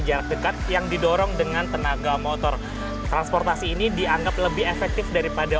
jarak dekat yang didorong dengan tenaga motor transportasi ini dianggap lebih efektif daripada